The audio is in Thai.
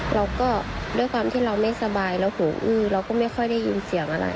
เราก็ด้วยความที่เราไม่สบายเราหูอื้อเราก็ไม่ค่อยได้ยินเสียงอะไร